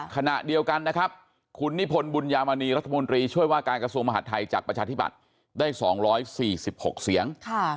ขณะเดียวกันนะครับคุณนิพนธบุญยามณีรัฐมนตรีช่วยว่าการกระทรวงมหาดไทยจากประชาธิบัติได้๒๔๖เสียง